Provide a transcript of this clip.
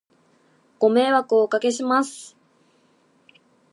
ご迷惑をお掛けします